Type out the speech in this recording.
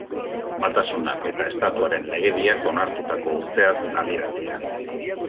Batasunak eta Estatuaren legediak onartutako urteaz adierazia.